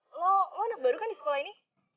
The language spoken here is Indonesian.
lo baru kan di sekolah ini